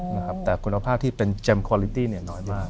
นะครับแต่คุณภาพที่เป็นเจมสคอลิตี้เนี่ยน้อยมาก